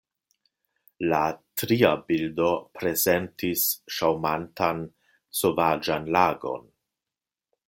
La tria bildo prezentis ŝaŭmantan, sovaĝan lagon.